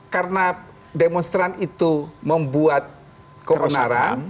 karena demonstran itu membuat kebenaran